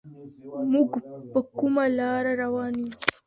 موږ په کومه لاره روان يو؟